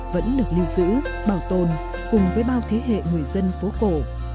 vẫn được lưu giữ bảo tồn cùng với bao thế hệ người dân phố cổ